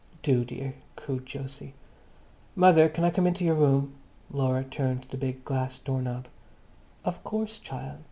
"Do, dear," cooed Jose. "Mother, can I come into your room?" Laura turned the big glass door knob. "Of course, child.